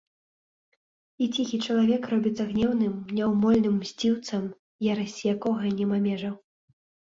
І ціхі чалавек робіцца гнеўным, няўмольным мсціўцам, ярасці якога няма межаў.